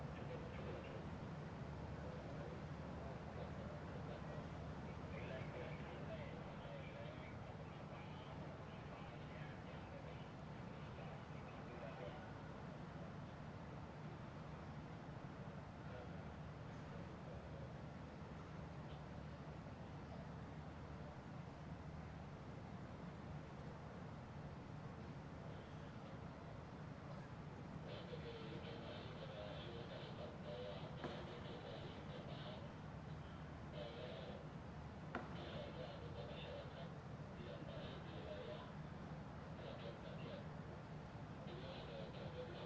kepala cu empat a angkatan bersenjata singapura